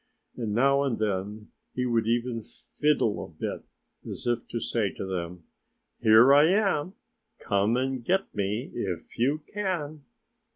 And now and then he would even fiddle a bit, as if to say to them, "Here I am! Come and get me if you can!"